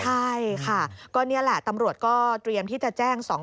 ใช่ค่ะก็นี่แหละตำรวจก็เตรียมที่จะแจ้ง